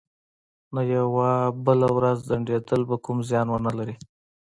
نو یوه بله ورځ ځنډول به کوم زیان ونه لري